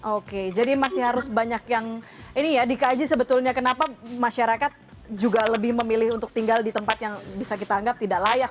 oke jadi masih harus banyak yang ini ya dikaji sebetulnya kenapa masyarakat juga lebih memilih untuk tinggal di tempat yang bisa kita anggap tidak layak